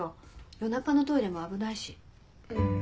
夜中のトイレも危ないし。